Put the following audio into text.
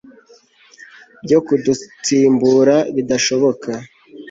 byo kudutsimbura bidashoboka